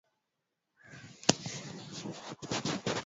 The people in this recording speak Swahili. Tafazali niko ku meza